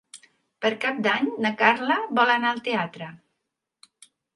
Per Cap d'Any na Carla vol anar al teatre.